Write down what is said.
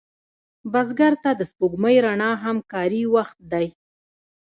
بزګر ته د سپوږمۍ رڼا هم کاري وخت دی